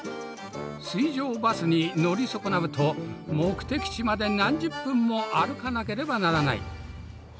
水上バスに乗り損なうと目的地まで何十分も歩かなければならない。